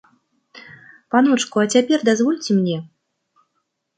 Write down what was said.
Паночку, а цяпер дазвольце мне?